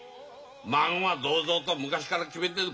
孫が銅三と昔から決めてる。